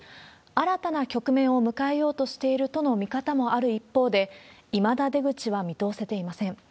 新たな局面を迎えようとしているとの見方もある一方で、いまだ、出口は見通せていません。